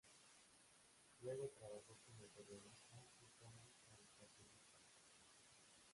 Luego trabajó como periodista y como caricaturista.